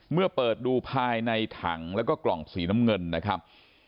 เมื่อเปิดดูภายในถังแล้วก็กล่องสีน้ำเงินนะครับ